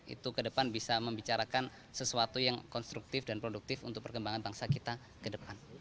itu kedepan bisa membicarakan sesuatu yang konstruktif dan produktif untuk perkembangan bangsa kita kedepan